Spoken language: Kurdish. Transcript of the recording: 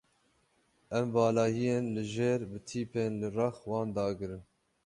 Em valahiyên li jêr bi tîpên li rex wan dagirin.